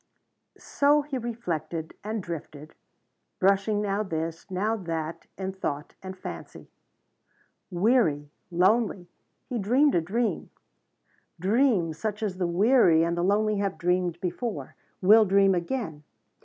So he reflected and drifted, brushing now this, now that, in thought and fancy. Weary lonely he dreamed a dream, dream such as the weary and the lonely have dreamed before, will dream again.